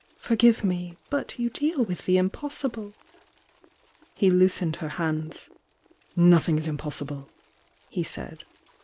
Forgive me! But you deal with the impossible!" He loosened her hands. "Nothing is impossible!" he said.